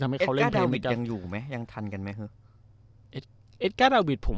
โอ้โหโอ้โหโอ้โห